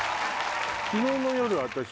昨日の夜私。